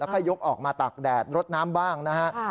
แล้วก็ยกออกมาตากแดดรดน้ำบ้างนะฮะ